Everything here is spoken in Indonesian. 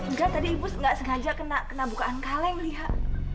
enggak tadi ibu gak sengaja kena bukaan kaleng lihat